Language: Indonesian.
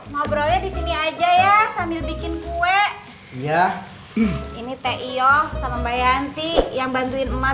ngobrolnya di sini aja ya sambil bikin kue ya ini teh yo sama mbak yanti yang bantuin emak